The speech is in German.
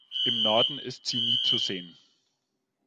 Im Norden ist sie nie zu sehen.